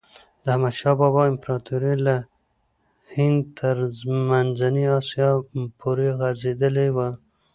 د احمد شاه بابا امپراتوري له هند تر منځنۍ آسیا پورې غځېدلي وه.